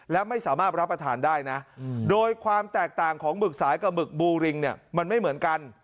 และไม่สามารถรับประทานได้นะโดยความแตกต่างของหมึกสายกับหมึกบูริงเนี่ยมันไม่เหมือนกัน